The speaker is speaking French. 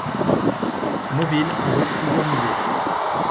Mobile abrite plusieurs musées.